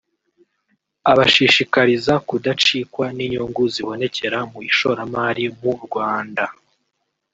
abashishikariza kudacikwa n’inyungu zibonekera mu ishoramari mu Rwanda